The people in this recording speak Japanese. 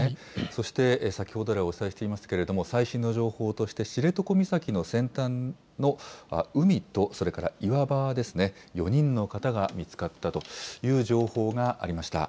そして先ほどらいお伝えしていますけれども、最新の情報として、知床岬の先端の海とそれからいわばですね、４人の方が見つかったという情報がありました。